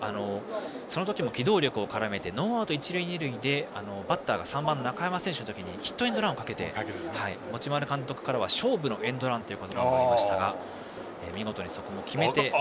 その時は機動力を絡めてノーアウト、一塁二塁でバッターが３番、中山選手の時にヒットエンドランをかけて持丸監督からは勝負のエンドランとなりましたが見事にそこを決めました。